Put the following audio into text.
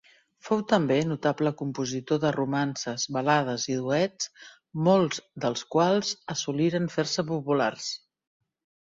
Fou també notable compositor de romances, balades i duets, molts dels quals assoliren fer-se populars.